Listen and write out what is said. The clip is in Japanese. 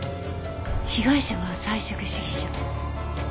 被害者は菜食主義者。